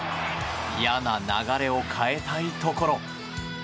嫌な流れを変えたいところ。